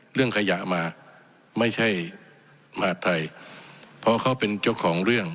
เรื่องขยะมาไม่ใช่มหาดไทยเพราะเขาเป็นเจ้าของเรื่อง